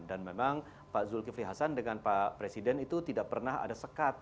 dan memang pak zulkifli hasan dengan pak presiden itu tidak pernah ada sekat